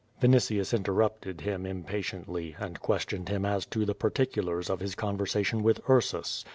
Vinitius interrupted him impatiently, and questioned him as to the particulars of his conversation with Ursus.